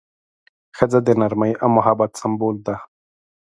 ښځه د نرمۍ او محبت سمبول ده.